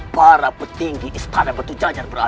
dimana para petinggi istana batu jajar berada